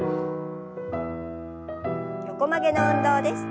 横曲げの運動です。